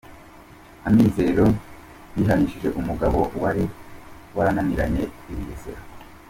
Amizero yihanishije umugabo wari warananiranye i Bugesera.